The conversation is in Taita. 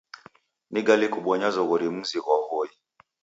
Ni gali kubonya zoghori mzi ghwa W'oi.